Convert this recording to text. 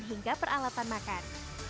atau peralatan makan